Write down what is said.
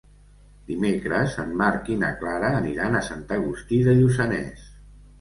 Dimecres en Marc i na Clara aniran a Sant Agustí de Lluçanès.